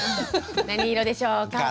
「何色でしょうか？」。